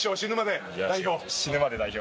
死ぬまで代表。